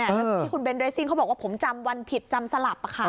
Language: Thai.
แล้วที่คุณเบนเรสซิ่งเขาบอกว่าผมจำวันผิดจำสลับ